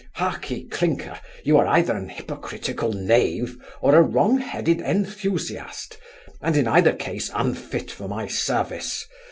Heark ye, Clinker, you are either an hypocritical knave, or a wrong headed enthusiast; and in either case, unfit for my service.